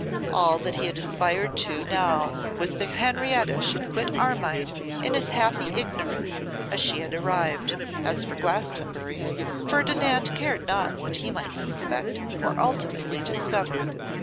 All that he aspired to now was that Henrietta should quit Armine in as happy ignorance as she had arrived: as for Glastonbury, Ferdinand cared not what he might suspect, or ultimately discover.